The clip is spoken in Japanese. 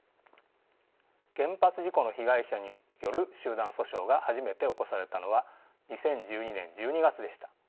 原発事故の被害者による集団訴訟が初めて起こされたのは２０１２年１２月でした。